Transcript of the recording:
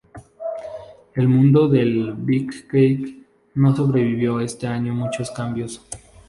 El mundo del "beefcake" no sobrevivió este cambio muchos años.